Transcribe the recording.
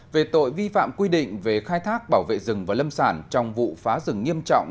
về tội vi phạm quy định về khai thác bảo vệ rừng và lâm sản trong vụ phá rừng nghiêm trọng